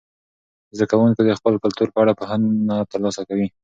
زده کوونکي د خپل کلتور په اړه پوهنه ترلاسه کوي.